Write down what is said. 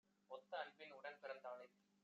ஒத்த அன்பின் உடன்பிறந் தாளைத்